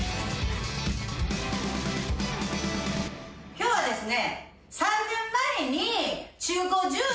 今日はですね。